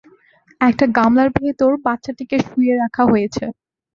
একটা গামলার ভেতর বাচ্চাটিকে শুইয়ে রাখা হয়েছে।